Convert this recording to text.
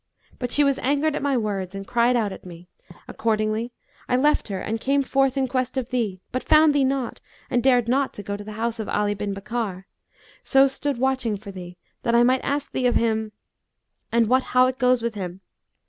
But she was angered at my words and cried out at me; accordingly I left her and came forth in quest of thee, but found thee not and dared not go to the house of Ali bin Bakkar; so stood watching for thee, that I might ask thee of him and wot how it goes with him.